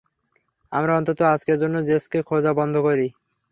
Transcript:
আমরা অন্তত আজকের জন্য জেসকে খোঁজা বন্ধ করি।